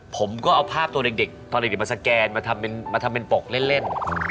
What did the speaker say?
ผมก็เอาภาพตัวเด็กตอนเด็กมาสแกนมาทำเป็นปกเล่น